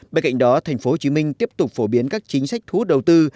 bên cạnh đó tp hcm tiếp tục phổ biến các chính sách thu hút đầu tư